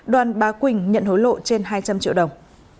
đoàn bá quỳnh nhận hối lộ trên hai trăm linh triệu đồng